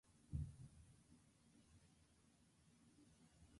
Six departments were established.